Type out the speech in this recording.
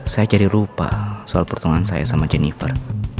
saya jadi rupa soal pertemuan saya sama jennifer